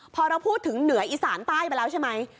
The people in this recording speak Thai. พอเราพูดถึงเหนืออีสานใต้ไปแล้วใช่ไหม